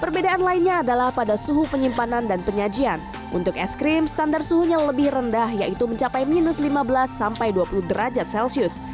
perbedaan lainnya adalah pada suhu penyimpanan dan penyajian untuk es krim standar suhunya lebih rendah yaitu mencapai minus lima belas sampai dua puluh derajat celcius